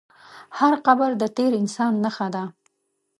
هر قبر د تېر انسان نښه ده.